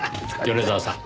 米沢さん。